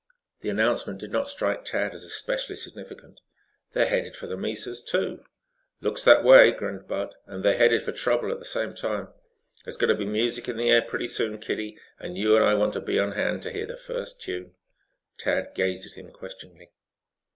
The announcement did not strike Tad as especially significant. "They headed for the mesas, too?" "Looks that way," grinned Bud. "And they're headed for trouble at the same time. There's going to be music in the air pretty soon, kiddie, and you and I want to be on hand to hear the first tune." Tad gazed at him questioningly.